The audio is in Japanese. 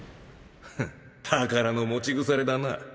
ふっ宝の持ち腐れだな